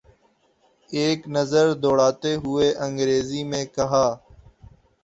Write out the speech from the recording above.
ایک نظر دوڑاتے ہوئے انگریزی میں کہا۔